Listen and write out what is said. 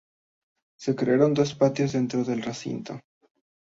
Se crearon dos patios dentro del recinto.